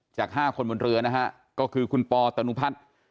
จากห้าคนบนเรือนะฮะก็คือคุณปตนพัช